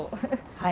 はい。